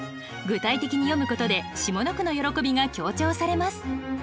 具体的に詠むことで下の句の喜びが強調されます。